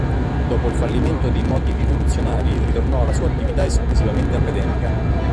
Dopo il fallimento dei moti rivoluzionari, ritornò alla sua attività esclusivamente accademica.